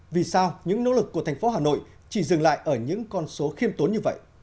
vì sao những nỗ lực của thành phố hà nội chỉ dừng lại ở những con số khiêm tốn như vậy